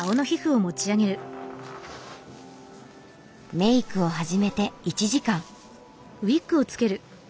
メイクを始めて１時間。